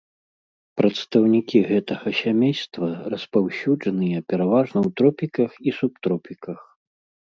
Прадстаўнікі гэтага сямейства распаўсюджаныя пераважна ў тропіках і субтропіках.